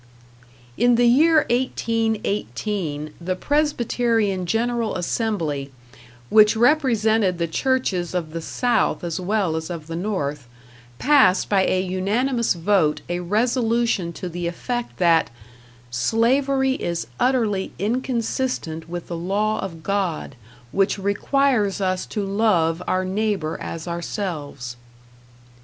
In the year 1818 the Presbyterian General Assembly, which represented the churches of the South as well as of the North, passed by a #unanimous# vote a resolution to the effect that "Slavery is utterly inconsistent with the law of God, which requires us to love our neighbor as ourselves."